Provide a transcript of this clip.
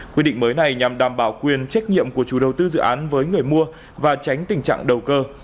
quy định mới này nhằm đảm bảo quyền trách nhiệm của chủ đầu tư dự án với người mua và tránh tình trạng đầu cơ